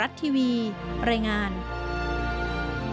การเดินทางไปรับน้องมินครั้งนี้ทางโรงพยาบาลเวทธานีไม่มีการคิดค่าใช้จ่ายใด